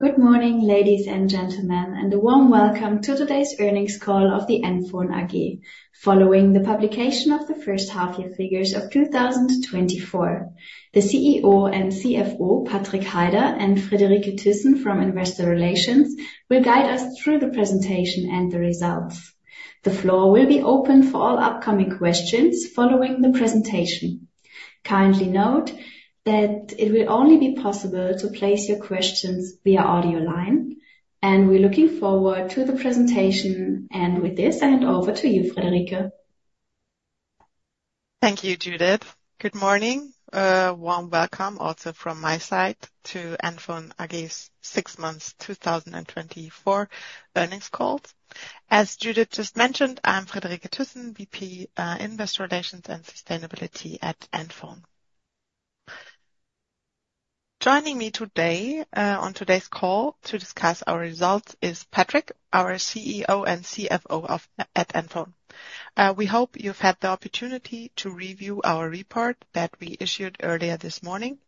Good morning, ladies and gentlemen, and a warm welcome to today's earnings call of NFON AG. Following the publication of the first half-year figures of 2024, the CEO and CFO, Patrik Heider and Friederike Thyssen from Investor Relations, will guide us through the presentation and the results. The floor will be open for all upcoming questions following the presentation. Kindly note that it will only be possible to place your questions via audio line, and we're looking forward to the presentation. And with this, I hand over to you, Friederike. Thank you, Judith. Good morning. Warm welcome also from my side to NFON AG's six months 2024 earnings call. As Judith just mentioned, I'm Friederike Thyssen, VP, Investor Relations and Sustainability at NFON. Joining me today, on today's call to discuss our results is Patrik, our CEO and CFO at NFON. We hope you've had the opportunity to review our report that we issued earlier this morning.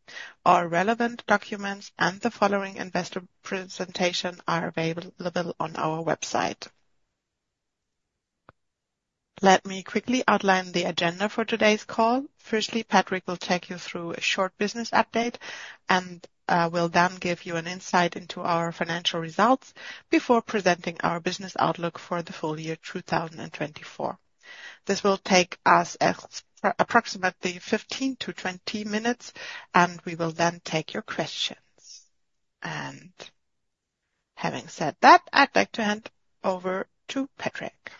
Our relevant documents and the following investor presentation are available on our website. Let me quickly outline the agenda for today's call. Firstly, Patrik will take you through a short business update and will then give you an insight into our financial results before presenting our business outlook for the full year 2024. This will take us approximately 15 to 20 minutes, and we will then take your questions. Having said that, I'd like to hand over to Patrik.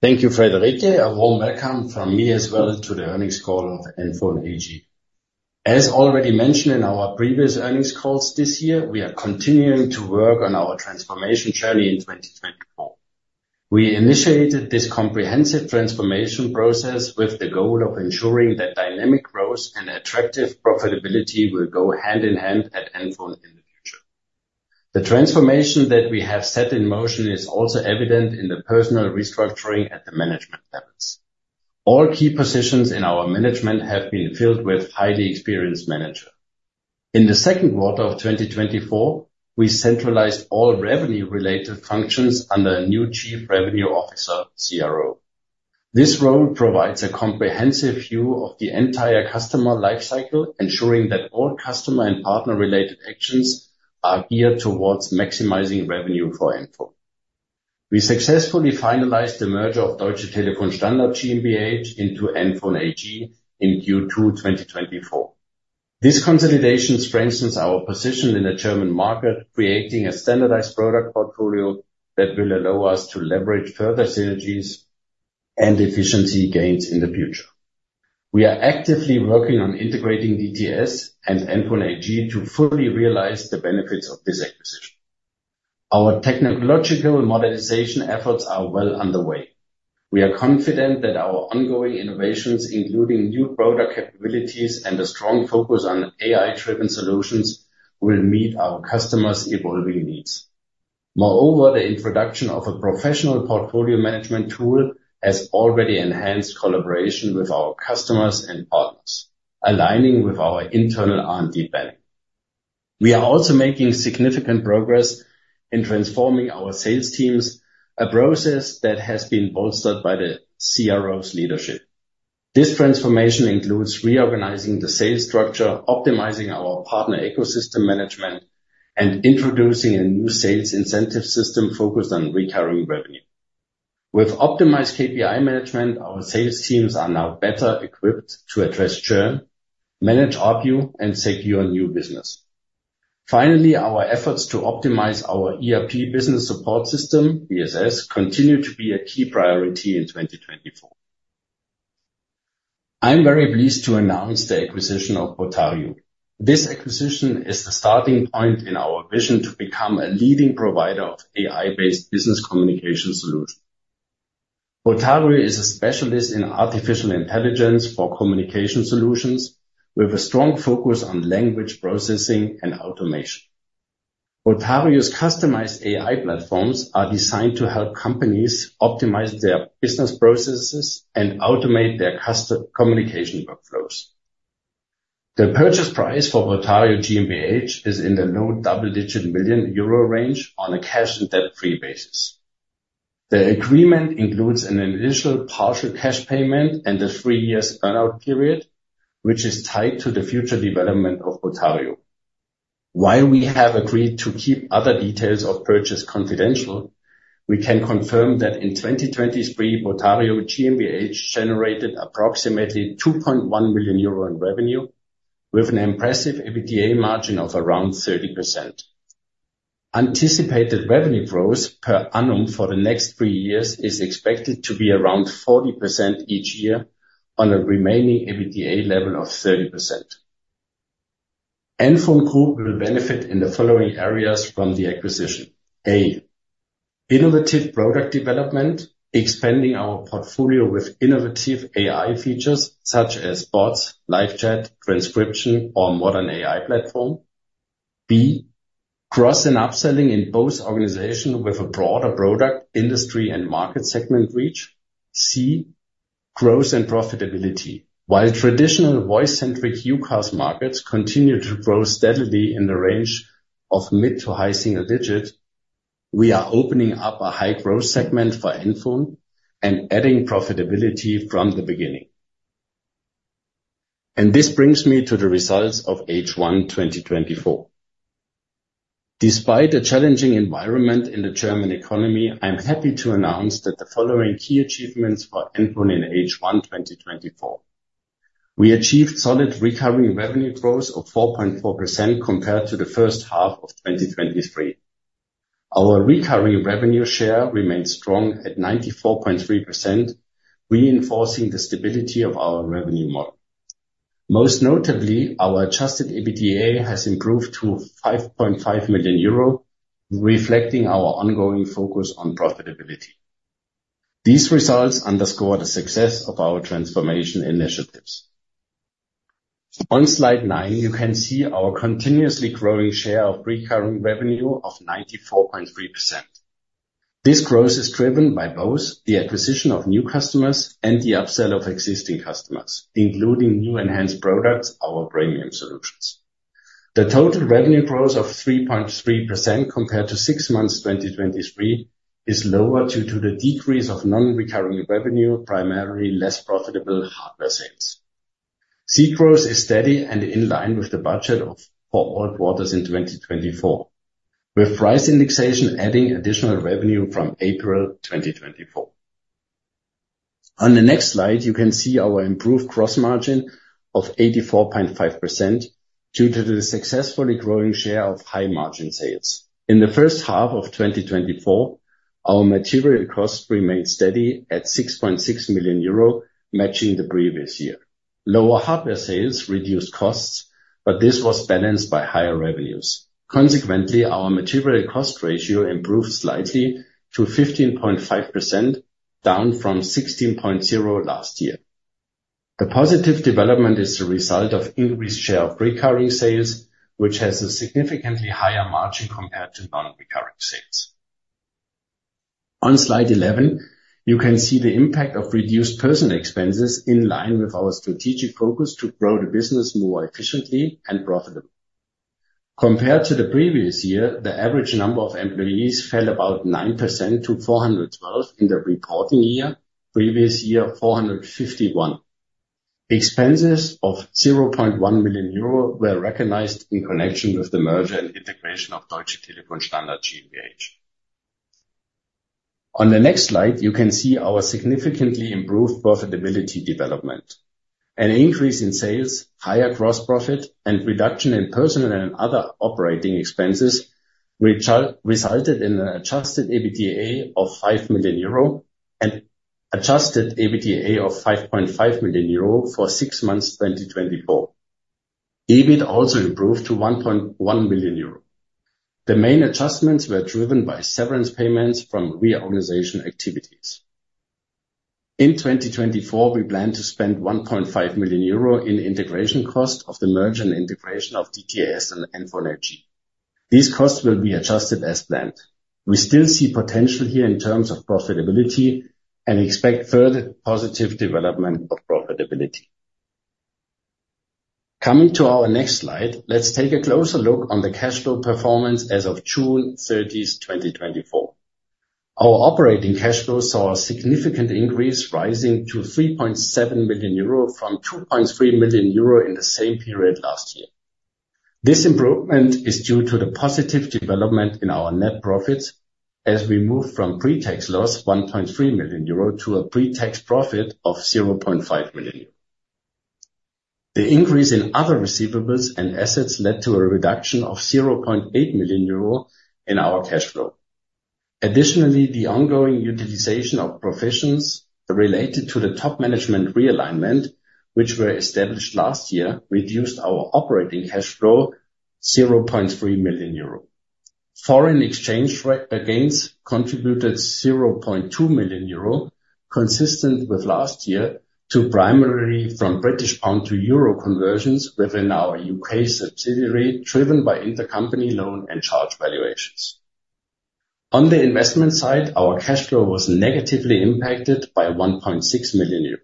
Thank you, Friederike. A warm welcome from me as well to the earnings call of NFON AG. As already mentioned in our previous earnings calls this year, we are continuing to work on our transformation journey in 2024. We initiated this comprehensive transformation process with the goal of ensuring that dynamic growth and attractive profitability will go hand in hand at NFON in the future. The transformation that we have set in motion is also evident in the personnel restructuring at the management levels. All key positions in our management have been filled with highly experienced manager. In the second quarter of 2024, we centralized all revenue-related functions under a new Chief Revenue Officer, CRO. This role provides a comprehensive view of the entire customer life cycle, ensuring that all customer and partner-related actions are geared towards maximizing revenue for NFON. We successfully finalized the merger of Deutsche Telefon Standard GmbH into NFON AG in Q2 2024. This consolidation strengthens our position in the German market, creating a standardized product portfolio that will allow us to leverage further synergies and efficiency gains in the future. We are actively working on integrating DTS and NFON AG to fully realize the benefits of this acquisition. Our technological modernization efforts are well underway. We are confident that our ongoing innovations, including new product capabilities and a strong focus on AI-driven solutions, will meet our customers' evolving needs. Moreover, the introduction of a professional portfolio management tool has already enhanced collaboration with our customers and partners, aligning with our internal R&D plan. We are also making significant progress in transforming our sales teams, a process that has been bolstered by the CRO's leadership. This transformation includes reorganizing the sales structure, optimizing our partner ecosystem management, and introducing a new sales incentive system focused on recurring revenue. With optimized KPI management, our sales teams are now better equipped to address churn, manage ARPU, and secure new business. Finally, our efforts to optimize our ERP business support system, BSS, continue to be a key priority in 2024. I'm very pleased to announce the acquisition of Botario. This acquisition is the starting point in our vision to become a leading provider of AI-based business communication solution. Botario is a specialist in artificial intelligence for communication solutions, with a strong focus on language processing and automation. Botario's customized AI platforms are designed to help companies optimize their business processes and automate their custom communication workflows. The purchase price for Botario GmbH is in the low double-digit million euro range on a cash and debt-free basis. The agreement includes an initial partial cash payment and a three-year earn-out period, which is tied to the future development of Botario. While we have agreed to keep other details of purchase confidential, we can confirm that in 2023, Botario GmbH generated approximately 2.1 million euro in revenue, with an impressive EBITDA margin of around 30%. Anticipated revenue growth per annum for the next three years is expected to be around 40% each year on a remaining EBITDA level of 30%. NFON Group will benefit in the following areas from the acquisition: A, innovative product development, expanding our portfolio with innovative AI features such as bots, live chat, transcription, or modern AI platform. B, cross- and upselling in both organizations with a broader product, industry, and market segment reach. C, growth and profitability. While traditional voice-centric UCaaS markets continue to grow steadily in the range of mid to high single digits, we are opening up a high growth segment for NFON and adding profitability from the beginning, and this brings me to the results of H1 2024. Despite a challenging environment in the German economy, I'm happy to announce that the following key achievements for NFON in H1 2024. We achieved solid recurring revenue growth of 4.4% compared to the first half of 2023. Our recurring revenue share remains strong at 94.3%, reinforcing the stability of our revenue model. Most notably, our adjusted EBITDA has improved to 5.5 million euro, reflecting our ongoing focus on profitability. These results underscore the success of our transformation initiatives. On slide nine, you can see our continuously growing share of recurring revenue of 94.3%. This growth is driven by both the acquisition of new customers and the upsell of existing customers, including new enhanced products, our premium solutions. The total revenue growth of 3.3% compared to six months, 2023, is lower due to the decrease of non-recurring revenue, primarily less profitable hardware sales. SaaS growth is steady and in line with the budget for all quarters in 2024, with price indexation adding additional revenue from April 2024. On the next slide, you can see our improved gross margin of 84.5% due to the successfully growing share of high margin sales. In the first half of 2024, our material costs remained steady at 6.6 million euro, matching the previous year. Lower hardware sales reduced costs, but this was balanced by higher revenues. Consequently, our material cost ratio improved slightly to 15.5%, down from 16.0% last year. The positive development is a result of increased share of recurring sales, which has a significantly higher margin compared to non-recurring sales. On Slide 11, you can see the impact of reduced personal expenses in line with our strategic focus to grow the business more efficiently and profitably. Compared to the previous year, the average number of employees fell about 9% to 412 in the reporting year. Previous year, 451. Expenses of 0.1 million euro were recognized in connection with the merger and integration of Deutsche Telefon Standard GmbH. On the next slide, you can see our significantly improved profitability development. An increase in sales, higher gross profit, and reduction in personnel and other operating expenses resulted in an adjusted EBITDA of 5 million euro and adjusted EBITDA of 5.5 million euro for six months, 2024. EBIT also improved to 1.1 million euro. The main adjustments were driven by severance payments from reorganization activities. In 2024, we plan to spend 1.5 million euro in integration cost of the merger and integration of DTAS and NFON AG. These costs will be adjusted as planned. We still see potential here in terms of profitability and expect further positive development of profitability. Coming to our next slide, let's take a closer look on the cash flow performance as of June 30, 2024. Our operating cash flow saw a significant increase, rising to 3.7 million euro from 2.3 million euro in the same period last year. This improvement is due to the positive development in our net profits as we move from pre-tax loss, 1.3 million euro, to a pre-tax profit of 0.5 million. The increase in other receivables and assets led to a reduction of 0.8 million euro in our cash flow. Additionally, the ongoing utilization of provisions related to the top management realignment, which were established last year, reduced our operating cash flow 0.3 million euro. Foreign exchange rate gains contributed 0.2 million euro, consistent with last year, to primarily from British pound to euro conversions within our UK subsidiary, driven by intercompany loan and charge valuations. On the investment side, our cash flow was negatively impacted by 1.6 million euro.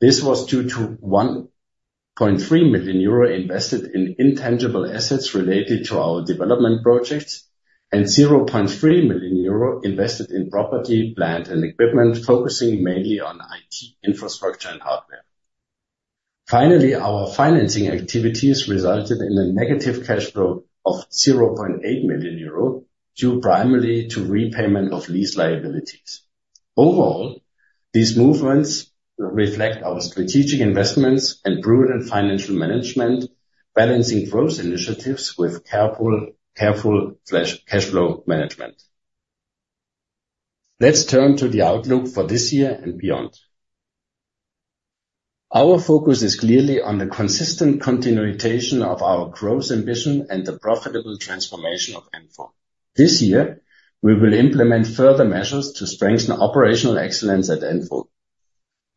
This was due to 1.3 million euro invested in intangible assets related to our development projects, and 0.3 million euro invested in property, plant, and equipment, focusing mainly on IT infrastructure and hardware. Finally, our financing activities resulted in a negative cash flow of 0.8 million euro, due primarily to repayment of lease liabilities. Overall, these movements reflect our strategic investments and prudent financial management, balancing growth initiatives with careful, careful cash flow management. Let's turn to the outlook for this year and beyond. Our focus is clearly on the consistent continuation of our growth ambition and the profitable transformation of NFON. This year, we will implement further measures to strengthen operational excellence at NFON.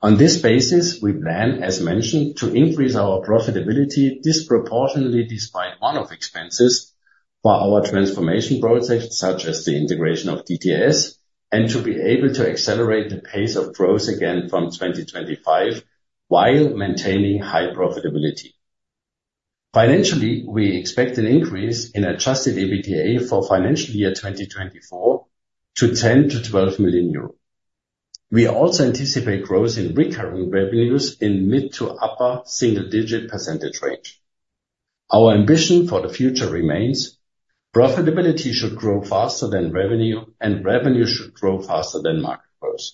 On this basis, we plan, as mentioned, to increase our profitability disproportionately, despite one-off expenses for our transformation process, such as the integration of DTS, and to be able to accelerate the pace of growth again from 2025, while maintaining high profitability. Financially, we expect an increase in adjusted EBITDA for financial year 2024 to 10 million-12 million euros. We also anticipate growth in recurring revenues in mid- to upper-single-digit percentage range. Our ambition for the future remains: profitability should grow faster than revenue, and revenue should grow faster than market growth.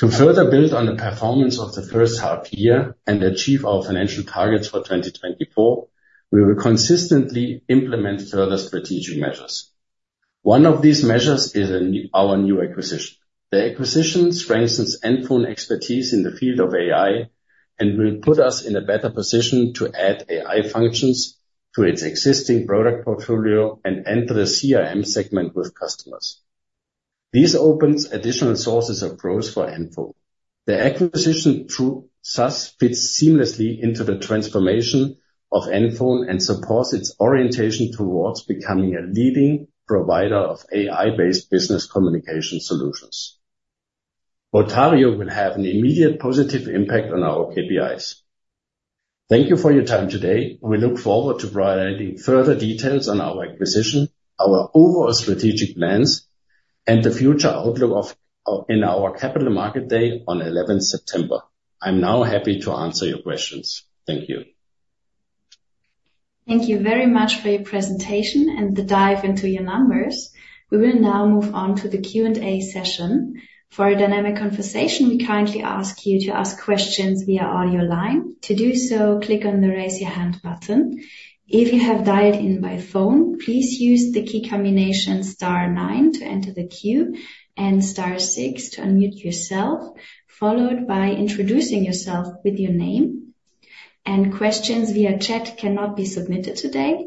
To further build on the performance of the first half year and achieve our financial targets for 2024, we will consistently implement further strategic measures. One of these measures is our new acquisition. The acquisition strengthens NFON expertise in the field of AI, and will put us in a better position to add AI functions to its existing product portfolio and enter the CRM segment with customers. This opens additional sources of growth for NFON. The acquisition through SaaS fits seamlessly into the transformation of NFON and supports its orientation towards becoming a leading provider of AI-based business communication solutions. Botario will have an immediate positive impact on our KPIs. Thank you for your time today, and we look forward to providing further details on our acquisition, our overall strategic plans, and the future outlook of in our capital market day on September 11th. I'm now happy to answer your questions. Thank you. Thank you very much for your presentation and the dive into your numbers. We will now move on to the Q&A session. For a dynamic conversation, we kindly ask you to ask questions via audio line. To do so, click on the Raise Your Hand button. If you have dialed in by phone, please use the key combination star nine to enter the queue and star six to unmute yourself, followed by introducing yourself with your name, and questions via chat cannot be submitted today.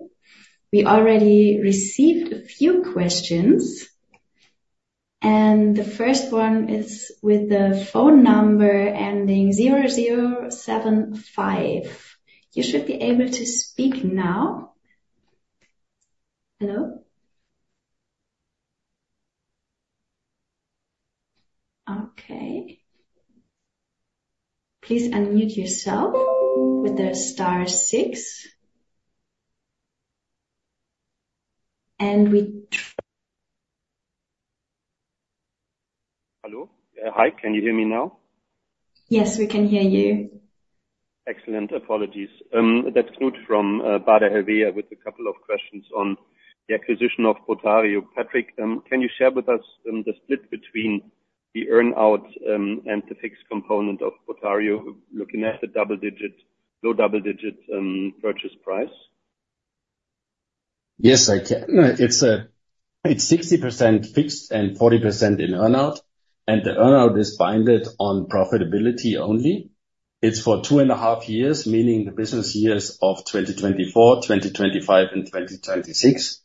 We already received a few questions, and the first one is with the phone number ending zero zero seven five. You should be able to speak now. Hello? Okay. Please unmute yourself with the star six. And we tr- Hello? Hi, can you hear me now? Yes, we can hear you. Excellent. Apologies. That's Knut from Baader Helvea, with a couple of questions on the acquisition of Botario. Patrik, can you share with us the split between the earn-out and the fixed component of Botario, looking at the double digit, low double digit purchase price? Yes, I can. It's, it's 60% fixed and 40% in earn-out, and the earn-out is based on profitability only. It's for 2.5 years, meaning the business years of 2024, 2025 and 2026,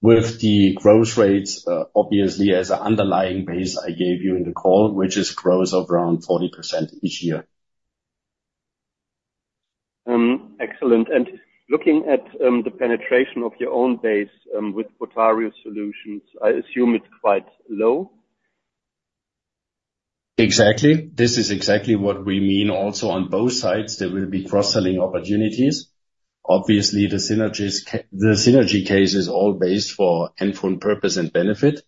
with the growth rates, obviously, as an underlying base I gave you in the call, which is growth of around 40% each year. Excellent. And looking at the penetration of your own base with Botario solutions, I assume it's quite low? Exactly. This is exactly what we mean. Also, on both sides, there will be cross-selling opportunities. Obviously, the synergy case is all based for NFON purpose and benefit,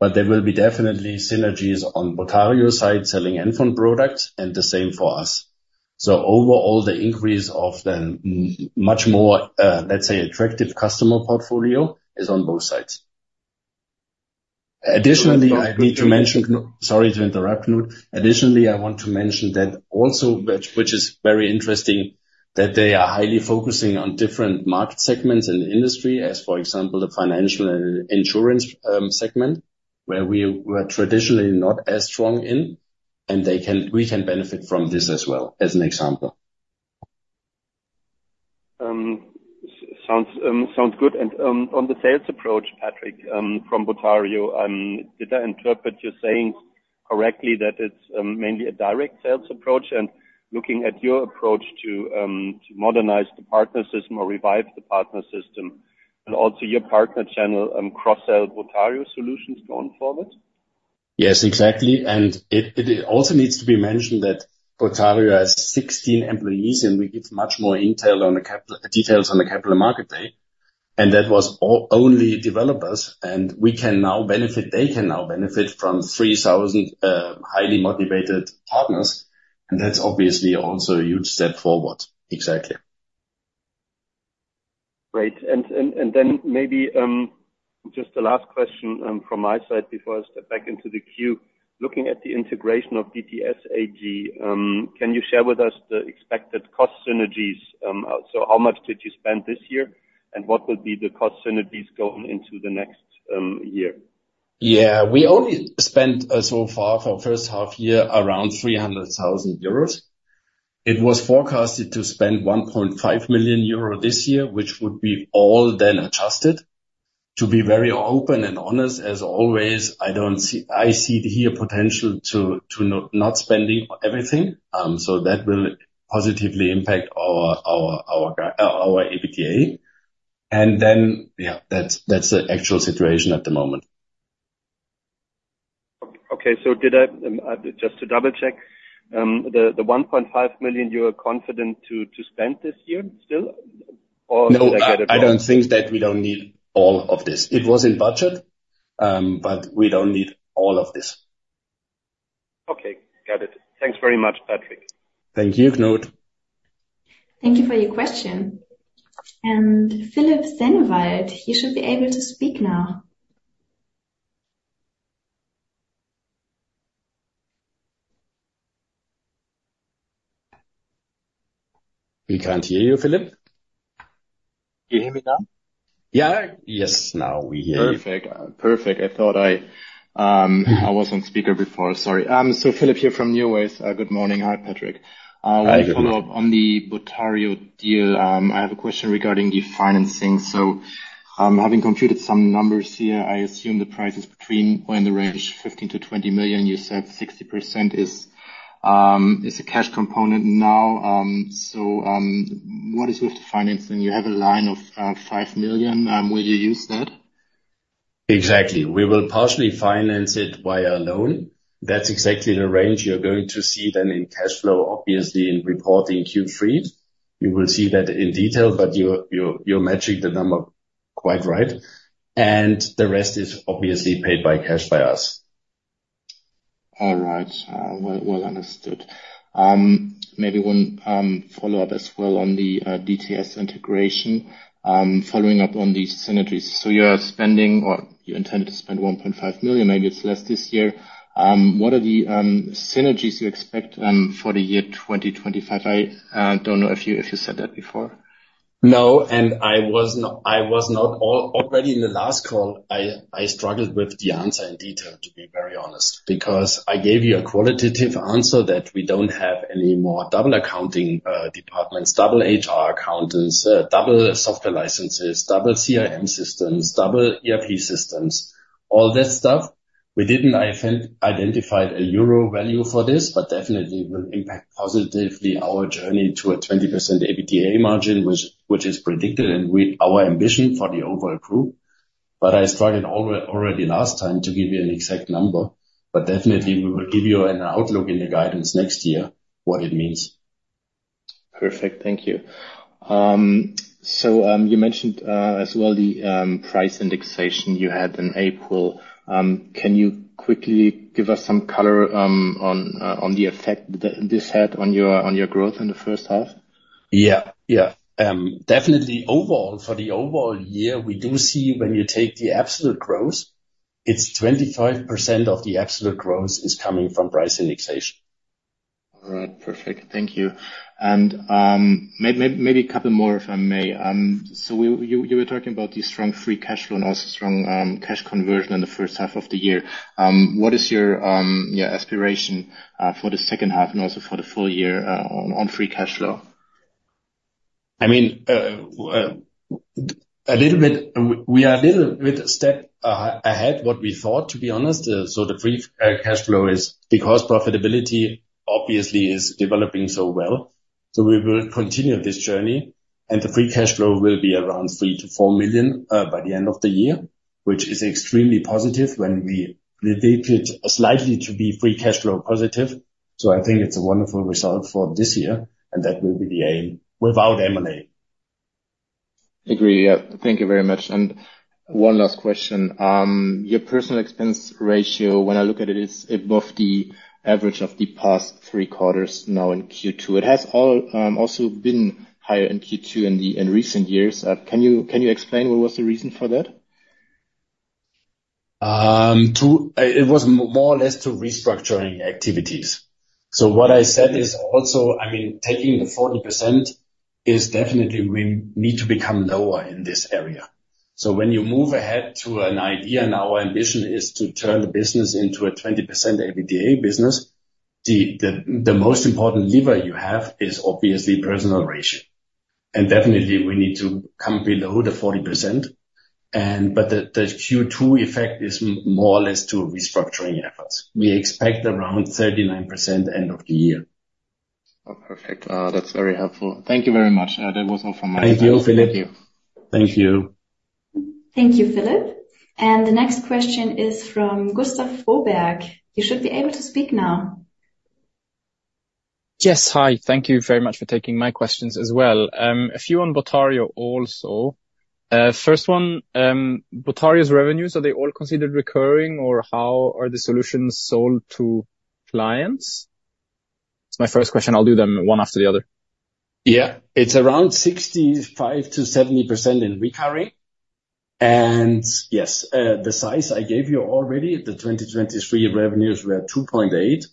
but there will be definitely synergies on Botario's side, selling NFON products, and the same for us. So overall, the increase of the much more, let's say, attractive customer portfolio is on both sides. Additionally, I need to mention. Sorry to interrupt, Knut. Additionally, I want to mention that also, which is very interesting, that they are highly focusing on different market segments and industry, as for example, the financial and insurance segment, where we were traditionally not as strong in, and we can benefit from this as well, as an example. Sounds good, and on the sales approach, Patrik, from Botario, did I interpret you saying correctly that it's mainly a direct sales approach, and looking at your approach to modernize the partner system or revive the partner system, and also your partner channel, cross-sell Botario solutions going forward? Yes, exactly. And it also needs to be mentioned that Botario has 16 employees, and we give much more intel on the capital, details on the capital market day, and that was only developers, and we can now benefit, they can now benefit from three thousand highly motivated partners, and that's obviously also a huge step forward. Exactly. Great. And then maybe just a last question from my side before I step back into the queue. Looking at the integration of DTS AG, can you share with us the expected cost synergies, so how much did you spend this year, and what would be the cost synergies going into the next year? Yeah. We only spent so far for first half year around 300,000 euros. It was forecasted to spend 1.5 million euro this year, which would be all then adjusted. To be very open and honest, as always, I don't see. I see here potential to not spending everything, so that will positively impact our EBITDA. And then, yeah, that's the actual situation at the moment. Okay, so did I just to double-check the 1.5 million you are confident to spend this year still? Or- No, I don't think that we don't need all of this. It was in budget, but we don't need all of this. Okay, got it. Thanks very much, Patrik. Thank you, Knut. Thank you for your question. And Philipp Sennewald, you should be able to speak now. We can't hear you, Philipp. Do you hear me now? Yeah. Yes, now we hear you. Perfect. I thought I was on speaker before. Sorry, so Philipp here from NuWays. Good morning. Hi, Patrik. Hi, Philip. Let me follow up on the Botario deal. I have a question regarding the financing. Having computed some numbers here, I assume the price is between or in the range of 15 million-20 million. You said 60% is a cash component now. What is with the financing? You have a line of 5 million. Will you use that? Exactly. We will partially finance it by a loan. That's exactly the range you're going to see then in cash flow, obviously, in reporting Q3. You will see that in detail, but you're matching the number quite right. And the rest is obviously paid by cash by us. All right. Well, well understood. Maybe one follow-up as well on the DTS integration, following up on the synergies. So you are spending or you intend to spend 1.5 million, maybe it's less this year. What are the synergies you expect for the year 2025? I don't know if you, if you said that before. No, and I was not. Already in the last call, I struggled with the answer in detail, to be very honest, because I gave you a qualitative answer that we don't have any more double accounting departments, double HR accountants, double software licenses, double CIM systems, double ERP systems, all that stuff. We didn't identify a euro value for this, but definitely will impact positively our journey to a 20% EBITDA margin, which is predicted, and our ambition for the overall group. But I struggled already last time to give you an exact number, but definitely we will give you an outlook in the guidance next year, what it means. Perfect. Thank you. So, you mentioned, as well, the price indexation you had in April. Can you quickly give us some color on the effect that this had on your growth in the first half? Yeah, yeah. Definitely overall, for the overall year, we do see when you take the absolute growth, it's 25% of the absolute growth is coming from price indexation. All right. Perfect. Thank you. And maybe a couple more, if I may. So you were talking about the strong free cash flow and also strong cash conversion in the first half of the year. What is your aspiration for the second half and also for the full year on free cash flow? I mean, we are a little bit ahead of what we thought, to be honest. The free cash flow is because profitability obviously is developing so well. We will continue this journey, and the free cash flow will be around 3 million-4 million by the end of the year, which is extremely positive when we predicted to be slightly free cash flow positive. I think it's a wonderful result for this year, and that will be the aim, without M&A. Agree. Yeah. Thank you very much. And one last question: your personnel expense ratio, when I look at it, it's above the average of the past three quarters now in Q2. It has also been higher in Q2 in recent years. Can you explain what was the reason for that? It was more or less to restructuring activities. So what I said is also, I mean, taking the 40% is definitely we need to become lower in this area. So when you move ahead to an EBITDA, and our ambition is to turn the business into a 20% EBITDA business, the most important lever you have is obviously personnel ratio. And definitely, we need to come below the 40%, but the Q2 effect is more or less to restructuring efforts. We expect around 39% end of the year. Oh, perfect. That's very helpful. Thank you very much. That was all from my side. Thank you, Philipp. Thank you. Thank you. Thank you, Philipp, and the next question is from Gustav Froberg. You should be able to speak now. Yes. Hi, thank you very much for taking my questions as well. A few on Botario also. First one, Botario's revenues, are they all considered recurring, or how are the solutions sold to clients? It's my first question. I'll do them one after the other. Yeah. It's around 65%-70% in recurring. And yes, the size I gave you already, the 2023 revenues were 2.8,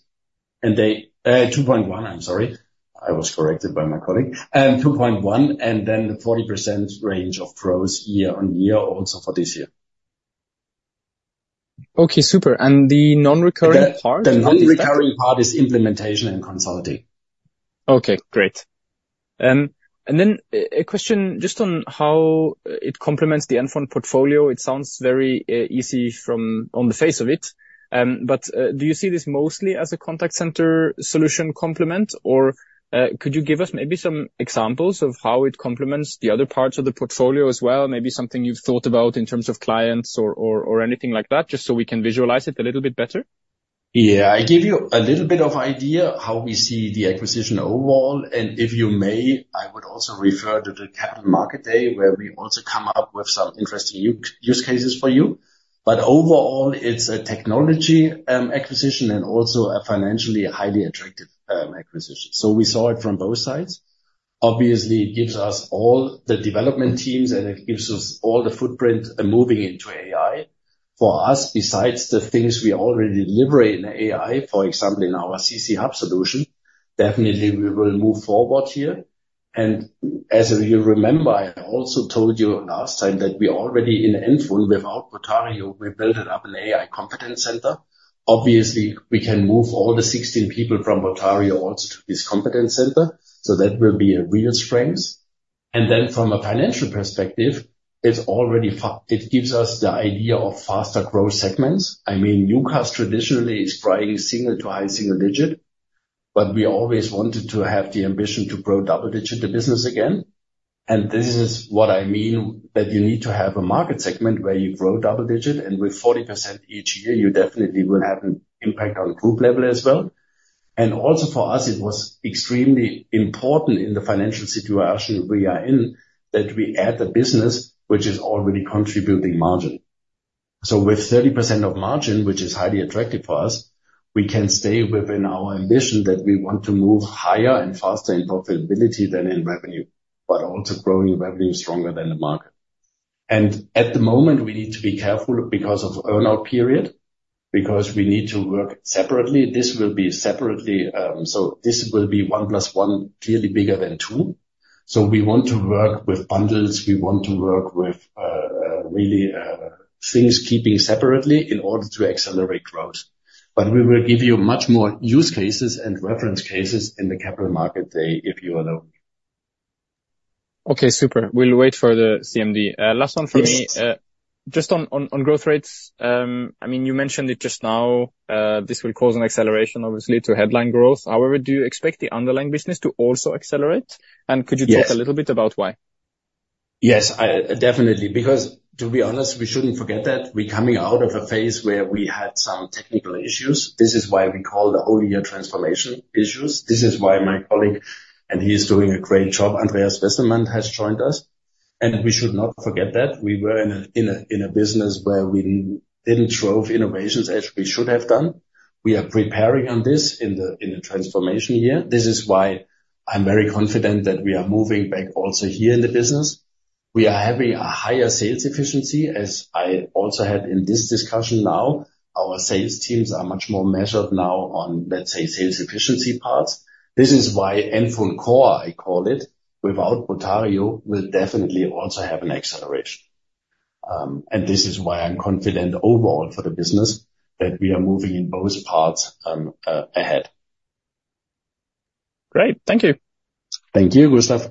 and they... 2.1, I'm sorry. I was corrected by my colleague. 2.1, and then the 40% range of growth year on year also for this year.... Okay, super. And the non-recurring part? The non-recurring part is implementation and consulting. Okay, great. And then a question just on how it complements the NFON portfolio. It sounds very easy on the face of it, but do you see this mostly as a contact center solution complement? Or could you give us maybe some examples of how it complements the other parts of the portfolio as well? Maybe something you've thought about in terms of clients or anything like that, just so we can visualize it a little bit better. Yeah. I give you a little bit of idea how we see the acquisition overall, and if you may, I would also refer to the Capital Market Day, where we also come up with some interesting use cases for you. But overall, it's a technology acquisition and also a financially highly attractive acquisition. So we saw it from both sides. Obviously, it gives us all the development teams, and it gives us all the footprint moving into AI. For us, besides the things we already deliver in AI, for example, in our CC Hub solution, definitely we will move forward here. And as you remember, I also told you last time that we already in NFON, without Botario, we built up an AI competence center. Obviously, we can move all the 16 people from Botario also to this competence center, so that will be a real strength. From a financial perspective, it's already. It gives us the idea of faster growth segments. I mean, UCaaS traditionally is growing single- to high-single-digit, but we always wanted to have the ambition to grow double-digit the business again. This is what I mean, that you need to have a market segment where you grow double-digit, and with 40% each year, you definitely will have an impact on group level as well. Also, for us, it was extremely important in the financial situation we are in, that we add a business which is already contributing margin. So with 30% of margin, which is highly attractive for us, we can stay within our ambition that we want to move higher and faster in profitability than in revenue, but also growing revenue stronger than the market. And at the moment, we need to be careful because of earn-out period, because we need to work separately. This will be separately, so this will be one plus one, clearly bigger than two. So we want to work with bundles, we want to work with really things keeping separately in order to accelerate growth. But we will give you much more use cases and reference cases in the Capital Market Day, if you allow me. Okay, super. We'll wait for the CMD. Last one for me. Yes. Just on growth rates, I mean, you mentioned it just now, this will cause an acceleration, obviously, to headline growth. However, do you expect the underlying business to also accelerate? And could you- Yes. talk a little bit about why? Yes, definitely because, to be honest, we shouldn't forget that we're coming out of a phase where we had some technical issues. This is why we call the whole year transformation issues. This is why my colleague, and he is doing a great job, Andreas Wesselmann, has joined us, and we should not forget that we were in a business where we didn't drove innovations as we should have done. We are preparing on this in the transformation year. This is why I'm very confident that we are moving back also here in the business. We are having a higher sales efficiency, as I also had in this discussion now. Our sales teams are much more measured now on, let's say, sales efficiency parts. This is why NFON Core, I call it, without Botario, will definitely also have an acceleration. This is why I'm confident overall for the business, that we are moving in both parts, ahead. Great. Thank you. Thank you, Gustav.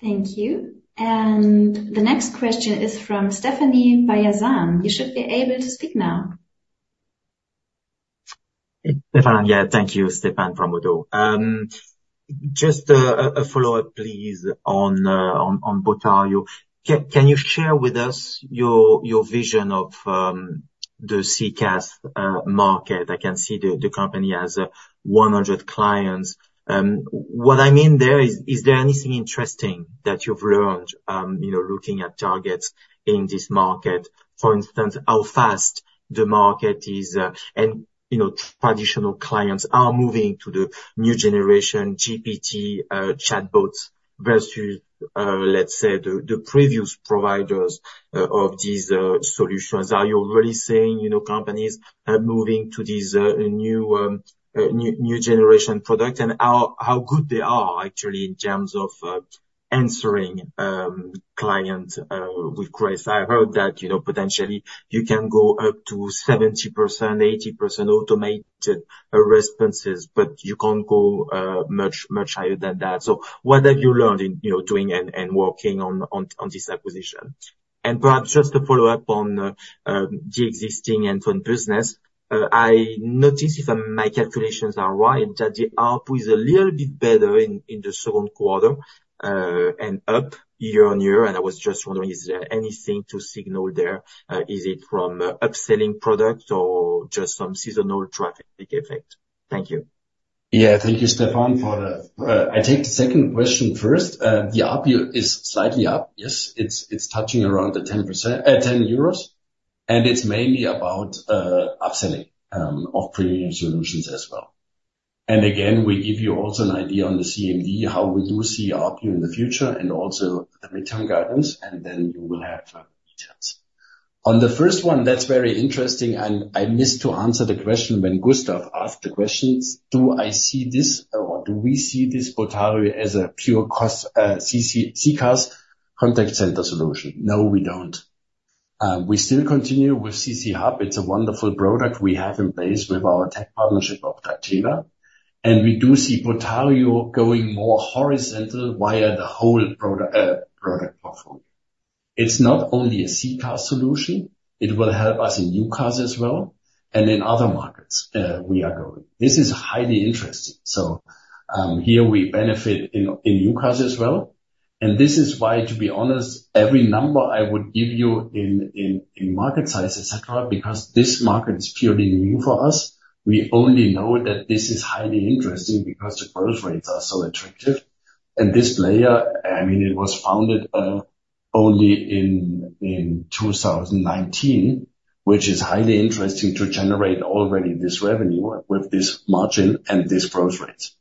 Thank you. And the next question is from Stephane Beyazian. You should be able to speak now. Stephane, yeah, thank you, Stephane from ODDO. Just a follow-up, please, on Botario. Can you share with us your vision of the CCaaS market? I can see the company has 100 clients. What I mean there is there anything interesting that you've learned, you know, looking at targets in this market? For instance, how fast the market is, and, you know, traditional clients are moving to the new generation GPT chatbots versus, let's say, the previous providers of these solutions. Are you already seeing, you know, companies moving to these new generation product? And how good they are, actually, in terms of answering client with queries. I heard that, you know, potentially you can go up to 70%-80% automated responses, but you can't go much higher than that. So what have you learned in, you know, doing and working on this acquisition? And perhaps just to follow up on the existing NFON business, I noticed, if my calculations are right, that the ARPU is a little bit better in the second quarter and up year on year, and I was just wondering, is there anything to signal there? Is it from upselling products or just some seasonal traffic effect? Thank you. Yeah. Thank you, Stephane, for that. I take the second question first. The ARPU is slightly up, yes. It's touching around the 10%, 10 euros, and it's mainly about upselling of premium solutions as well. Again, we give you also an idea on the CMD, how we do see ARPU in the future and also the mid-term guidance, and then you will have details. On the first one, that's very interesting, and I missed to answer the question when Gustav asked the questions: Do I see this or do we see this Botario as a pure CCaaS contact center solution? No, we don't. We still continue with CC Hub. It's a wonderful product we have in place with our tech partnership with Telefonica. We do see Botario going more horizontal via the whole product portfolio. It's not only a CCaaS solution, it will help us in UCaaS as well, and in other markets we are going. This is highly interesting. Here we benefit in UCaaS as well. This is why, to be honest, every number I would give you in market size, et cetera, because this market is purely new for us. We only know that this is highly interesting because the growth rates are so attractive. This player, I mean, it was founded only in 2019, which is highly interesting to generate already this revenue with this margin and this growth rates.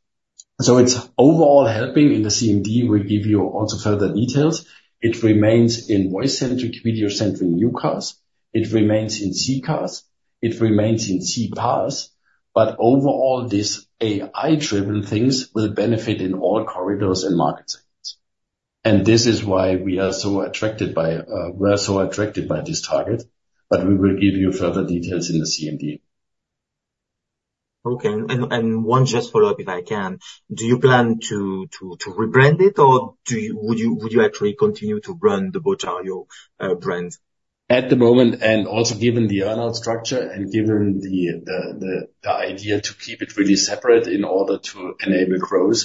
It's overall helping in the CRM. We'll give you also further details. It remains in voice-centric, video-centric UCaaS, it remains in CCaaS, but overall, these AI-driven things will benefit in all corridors and market segments. And this is why we are so attracted by this target, but we will give you further details in the CMD. Okay. One just follow-up, if I can: Do you plan to rebrand it, or would you actually continue to run the Botario brand? At the moment, and also given the earn-out structure and given the idea to keep it really separate in order to enable growth,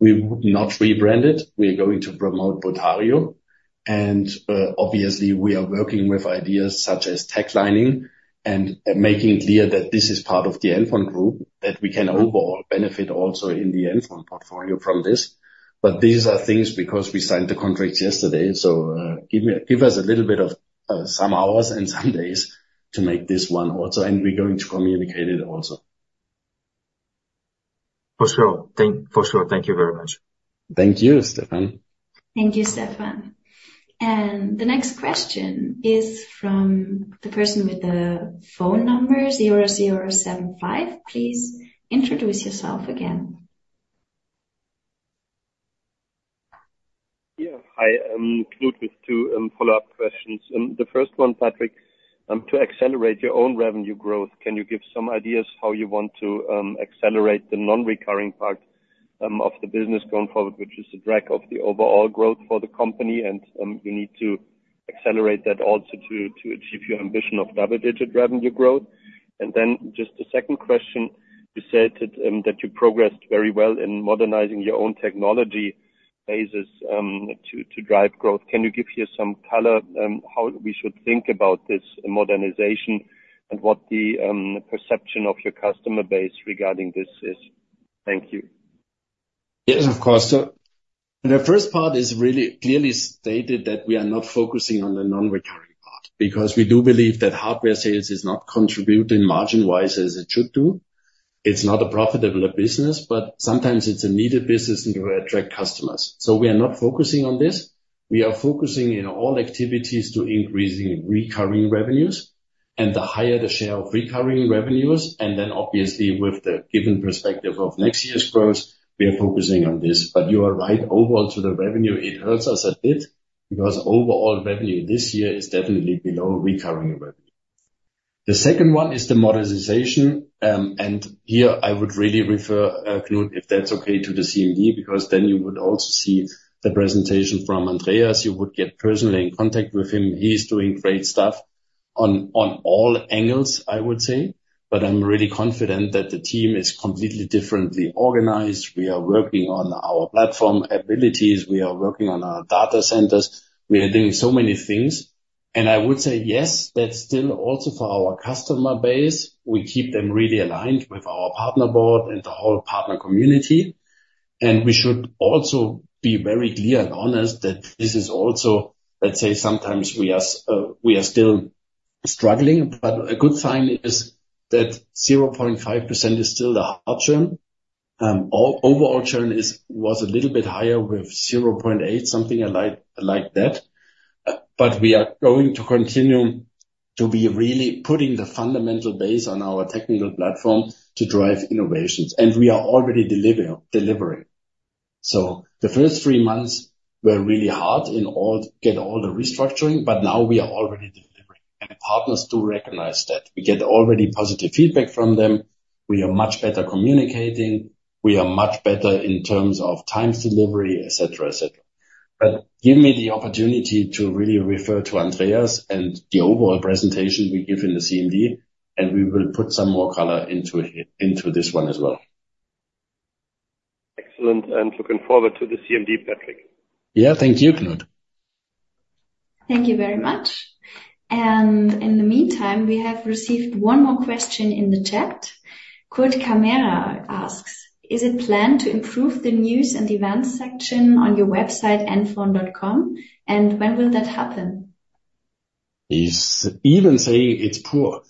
we would not rebrand it. We are going to promote Botario. And obviously, we are working with ideas such as taglining and making it clear that this is part of the NFON group, that we can overall benefit also in the end from portfolio from this. But these are things because we signed the contract yesterday, so give us a little bit of some hours and some days to make this one also, and we're going to communicate it also. For sure. Thank you very much. Thank you, Stephane. Thank you, Stephane. And the next question is from the person with the phone number zero zero seven five. Please introduce yourself again. Yeah. Hi, Knut with two follow-up questions. The first one, Patrik, to accelerate your own revenue growth, can you give some ideas how you want to accelerate the non-recurring part of the business going forward, which is the drag of the overall growth for the company? And you need to accelerate that also to achieve your ambition of double-digit revenue growth. And then just a second question: You said that you progressed very well in modernizing your own technology base to drive growth. Can you give here some color on how we should think about this modernization and what the perception of your customer base regarding this is? Thank you. Yes, of course. So the first part is really clearly stated that we are not focusing on the non-recurring part, because we do believe that hardware sales is not contributing margin-wise as it should do. It's not a profitable business, but sometimes it's a needed business in order to attract customers. So we are not focusing on this. We are focusing in all activities to increasing recurring revenues, and the higher the share of recurring revenues, and then obviously with the given perspective of next year's growth, we are focusing on this. But you are right, overall to the revenue, it hurts us a bit, because overall revenue this year is definitely below recurring revenue. The second one is the modernization, and here I would really refer, Knut, if that's okay, to the CMD, because then you would also see the presentation from Andreas. You would get personally in contact with him. He's doing great stuff on all angles, I would say. But I'm really confident that the team is completely differently organized. We are working on our platform abilities, we are working on our data centers, we are doing so many things. And I would say, yes, that's still also for our customer base. We keep them really aligned with our partner board and the whole partner community. And we should also be very clear and honest that this is also, let's say, sometimes we are still struggling, but a good sign is that 0.5% is still the high churn. Overall churn was a little bit higher with 0.8, something like that. But we are going to continue to be really putting the fundamental base on our technical platform to drive innovations, and we are already delivering. So the first three months were really hard in all the restructuring, but now we are already delivering, and partners do recognize that. We get already positive feedback from them. We are much better communicating, we are much better in terms of times delivery, et cetera, et cetera. Give me the opportunity to really refer to Andreas and the overall presentation we give in the CMD, and we will put some more color into it, into this one as well. Excellent, and looking forward to the CMD, Patrik. Yeah, thank you, Knut. Thank you very much. And in the meantime, we have received one more question in the chat. Kurt Kamera asks: Is it planned to improve the news and events section on your website, nfon.com, and when will that happen? He's even saying it's poor.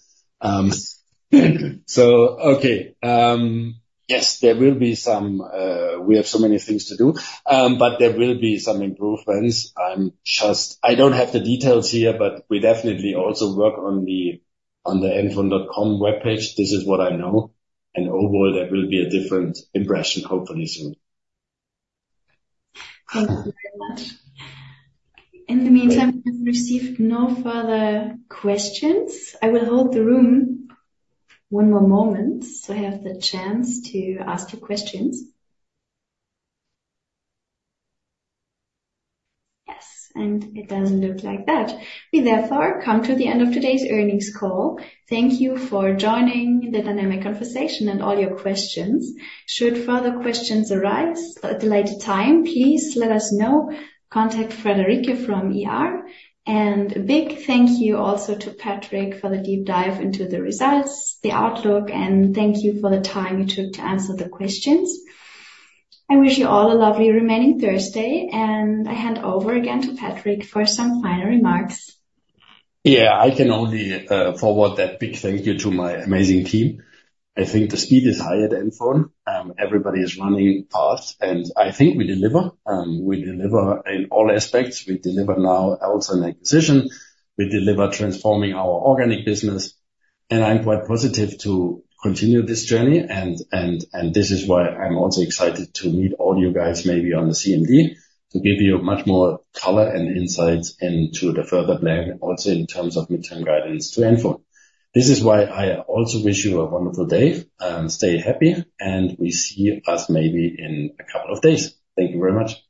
Yes, there will be some. We have so many things to do, but there will be some improvements. I don't have the details here, but we definitely also work on the nfon.com webpage. This is what I know, and overall, there will be a different impression, hopefully soon. Thank you very much. In the meantime, I've received no further questions. I will hold the room one more moment, so I have the chance to ask you questions. Yes, and it doesn't look like that. We therefore come to the end of today's earnings call. Thank you for joining the dynamic conversation and all your questions. Should further questions arise at a later time, please let us know. Contact Friederike from IR. And a big thank you also to Patrik for the deep dive into the results, the outlook, and thank you for the time you took to answer the questions. I wish you all a lovely remaining Thursday, and I hand over again to Patrik for some final remarks. Yeah, I can only forward that big thank you to my amazing team. I think the speed is high at NFON. Everybody is running fast, and I think we deliver. We deliver in all aspects. We deliver now also in acquisition, we deliver transforming our organic business, and I'm quite positive to continue this journey and this is why I'm also excited to meet all you guys, maybe on the CMD, to give you much more color and insights into the further plan, also in terms of midterm guidance to NFON. This is why I also wish you a wonderful day, and stay happy, and we see us maybe in a couple of days. Thank you very much.